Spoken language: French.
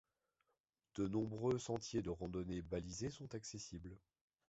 De nombreux sentiers de randonnée balisées sont accessibles.